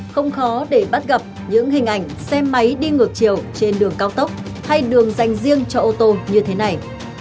không khó để bắt gặp những hình ảnh xe máy đi ngược chiều trên đường cao tốc hay đường dành riêng cho ô tô như thế này